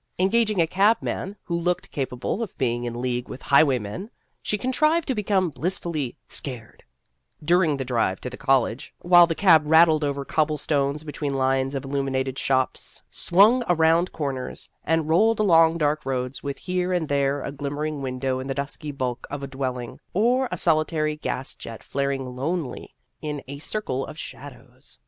Engaging a cabman, who looked capable of being in league with highwaymen, she contrived to become blissfully " scared " during the drive to the college, while the cab rattled over cobble stones between lines of illuminated shops, swung around corners, and rolled along dark roads, with here and there a glim mering window in the dusky bulk of a dwelling, or a solitary gas jet flaring lonely in a circle of shadows.